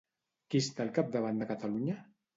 Qui està al capdavant de Catalunya?